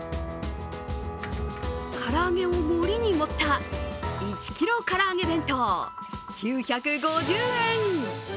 唐揚げを盛りに盛った１キロ唐揚げ弁当９５０円。